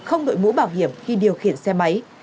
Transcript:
không đội mũ bảo hiểm khi điều khiển xe máy